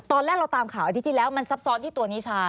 ตอนแรกเราตามข่าวอาทิตย์ที่แล้วมันซับซ้อนที่ตัวนิชา